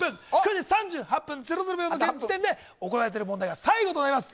９時３８分００秒の時点で行われている問題が最後となります。